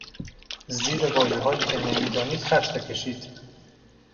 زیر واژههایی که نمیدانید خط بکشید.